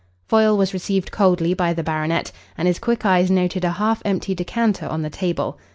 Foyle was received coldly by the baronet, and his quick eyes noted a half empty decanter on the table.